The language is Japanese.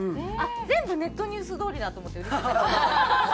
全部ネットニュースどおりだと思って。